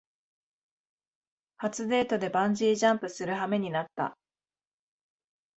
初デートでバンジージャンプするはめになった